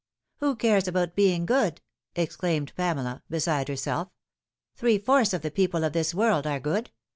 "Who cares about being good?" exclaimed Pamela, beside herself ;" three fourths of the people of this world are good.